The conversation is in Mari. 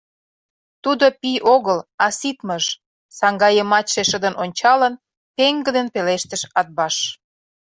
— Тудо пий огыл, а ситмыж! — саҥга йымачше шыдын ончалын, пеҥгыдын пелештыш Атбаш.